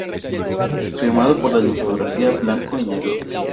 Firmado por la discográfica Blanco y Negro.